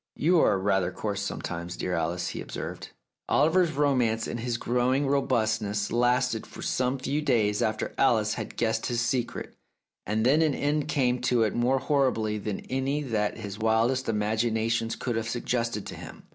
"You are rather coarse sometimes, dear Alice," he observed. Oliver's romance and his growing robustness lasted for some few days after Alice had guessed his secret, and then an end came to it more horrible than 279 The Tragedy of Oliver Bowman any that his wildest imaginations could have sug gested to him.